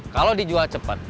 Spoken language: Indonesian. kalau dijual cepat